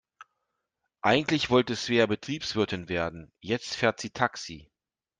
Eigentlich wollte Svea Betriebswirtin werden, jetzt fährt sie Taxi.